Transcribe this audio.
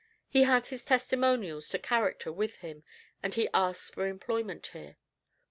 He had his testimonials to character with him, and he asked for employment here.